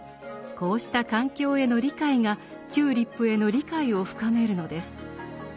こうした環境への理解がチューリップへの理解を深めるのです。